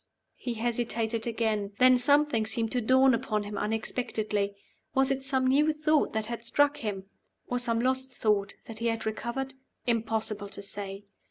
He hesitated again. Then something seemed to dawn upon him unexpectedly. Was it some new thought that had struck him? or some lost thought that he had recovered? Impossible to say.